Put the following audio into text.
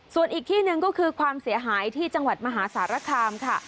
ส่วนอีกที่หนึ่งก็คือความเสียหายที่จังหวัดมหาสารคามค่ะ